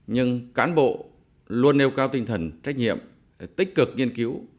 nhưng cán bộ luôn nêu cao tinh thần trách nhiệm tích cực nghiên cứu